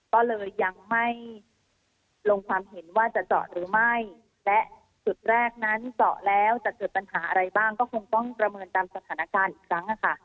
ก็เลยยังไม่ลงความเห็นว่าจะเจาะหรือไม่และจุดแรกนั้นเจาะแล้วจะเกิดปัญหาอะไรบ้างก็คงต้องประเมินตามสถานการณ์อีกครั้งค่ะ